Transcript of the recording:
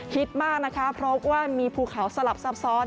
มากนะคะเพราะว่ามีภูเขาสลับซับซ้อน